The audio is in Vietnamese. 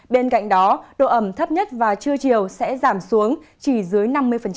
bên cạnh đó độ ẩm thấp nhất và trưa chiều sẽ giảm xuống chỉ dưới năm mươi